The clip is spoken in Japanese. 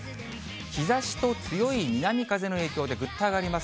日ざしと強い南風の影響でぐっと上がります。